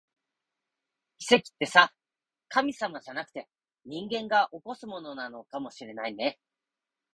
奇跡ってさ、神様じゃなくて、人間が起こすものなのかもしれないね